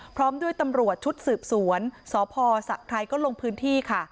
พร้อมด้วยตำรวจชุดสืบสวนสพสะไทยก็ลงพื้นที่ค่ะ